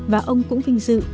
và ông cũng vinh dự